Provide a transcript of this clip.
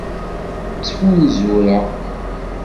Ttfunzureɣ.